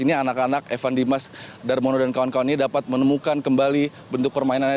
ini anak anak evan dimas darmono dan kawan kawan ini dapat menemukan kembali bentuk permainannya